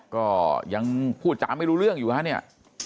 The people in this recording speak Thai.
ก็ยังพูดจาไม่รู้เรื่องอยู่ฮะเนี่ย